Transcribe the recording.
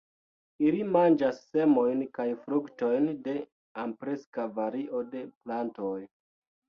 Ili manĝas semojn kaj fruktojn de ampleksa vario de plantoj.